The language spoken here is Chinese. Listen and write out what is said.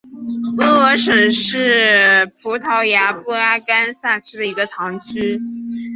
乌罗什是葡萄牙布拉干萨区的一个堂区。